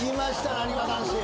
なにわ男子